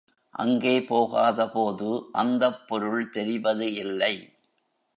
அங்கே போகாதபோது அந்தப் பொருள் தெரிவது இல்லை.